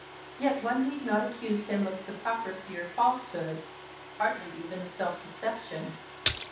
Yet one need not accuse him of hypocrisy or falsehood, hardly even of self deception.